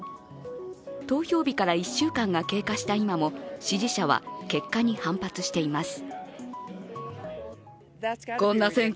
投票日から１週間が経過した今も支持者は結果に反発しています。